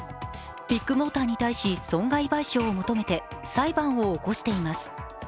ビッグモーターに対し損害賠償を求めて裁判を起こしています。